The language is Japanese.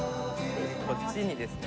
こっちにですね